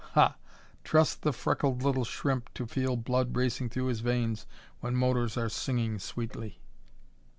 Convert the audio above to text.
Ha! Trust the freckled "Little Shrimp" to feel blood racing through his veins when motors are singing sweetly.